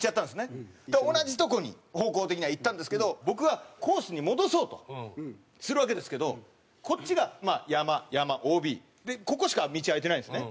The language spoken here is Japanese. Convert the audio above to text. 同じとこに方向的には行ったんですけど僕はコースに戻そうとするわけですけどこっちが山山ＯＢ。でここしか道空いてないんですね。